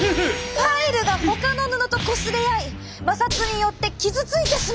パイルがほかの布とこすれ合い摩擦によって傷ついてしまうんです。